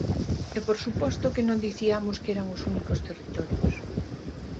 E por suposto que non diciamos que eran os únicos territorios.